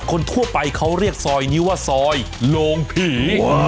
คนทั่วไปเขาเรียกซอยนี้ว่าซอยโรงผี